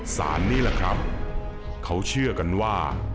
สารนี้แหละครับเขาเชื่อกันว่า